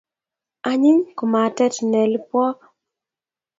anyiny kumatet nee libwob